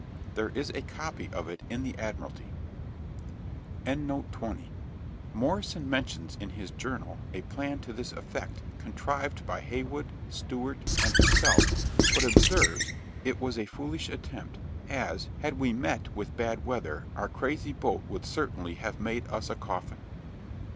There is a copy of it in the Admiralty. Morrison mentions, in his Journal, a plan to this effect, contrived by Heywood, Stewart, and himself, but observes, 'it was a foolish attempt, as, had we met with bad weather, our crazy boat would certainly have made us a coffin.'